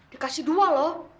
dikasih dua loh